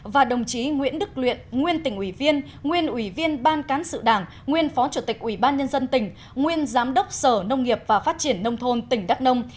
và đồng chí nguyễn đức luyện nguyên tỉnh ủy viên nguyên ủy viên ban cán sự đảng nguyên phó chủ tịch ủy ban nhân dân tỉnh nguyên giám đốc sở nông nghiệp và phát triển nông thôn tỉnh đắk nông